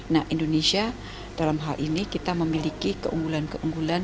nah indonesia dalam hal ini kita memiliki keunggulan keunggulan